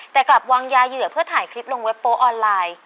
แต่กลับวางยาเหยื่อเพื่อถ่ายคลิปลงเว็บโป๊ออนไลน์